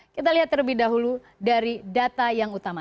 kita lihat terlebih dahulu dari data yang utama